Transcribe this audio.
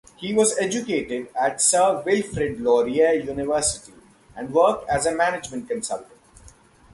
He was educated at Sir Wilfrid Laurier University and worked as a management consultant.